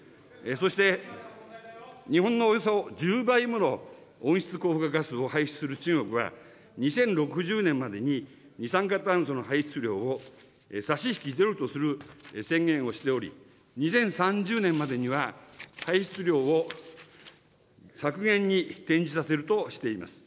そして日本のおよそ１０倍もの温室効果ガスを排出する中国は、２０６０年までに二酸化炭素の排出量を差し引きゼロとする宣言をしており、２０３０年までには、排出量を削減に転じさせるとしています。